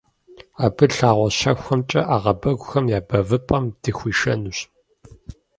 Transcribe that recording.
Абы лъагъуэ щэхухэмкӀэ ӏэгъэбэгухэм я бэвыпӀэм дыхуишэнущ.